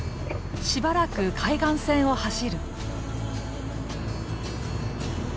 しばらく海岸線を走る。